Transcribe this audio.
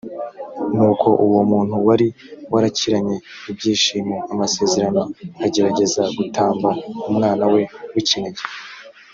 nuko uwo muntu wari warakiranye ibyishimo amasezerano agerageza gutamba umwana we w’ikinege